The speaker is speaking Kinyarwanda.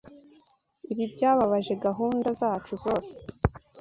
Ibi byababaje gahunda zacu zose.